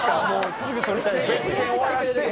すぐ撮りたいです。